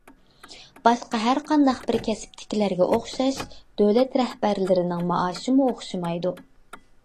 باشقا ھەر قانداق بىر كەسىپتىكىلەرگە ئوخشاش دۆلەت رەھبەرلىرىنىڭ مائاشىمۇ ئوخشىمايدۇ.